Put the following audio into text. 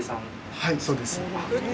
はいそうです。